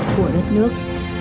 của đất nước